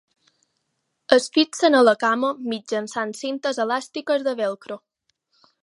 Es fixen a la cama mitjançant cintes elàstiques de velcro.